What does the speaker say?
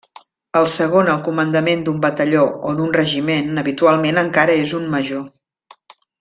El segon al comandament d'un batalló o d'un regiment habitualment encara és un major.